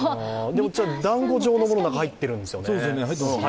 だんご状のものが入ってるんですよね。